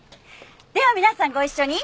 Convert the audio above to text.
では皆さんご一緒に！